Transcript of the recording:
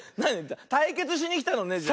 たいけつしにきたのねじゃあ。